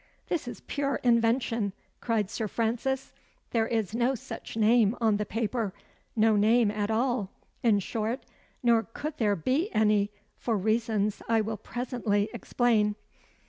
"This is pure invention!" cried Sir Francis. "There is no such name on the paper no name at all, in short nor could there be any, for reasons I will presently explain."